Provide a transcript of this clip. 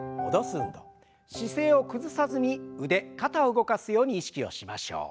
姿勢を崩さずに腕肩を動かすように意識をしましょう。